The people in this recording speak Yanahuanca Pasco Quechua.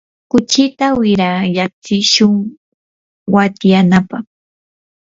kuchita wirayatsishun watyanapaq.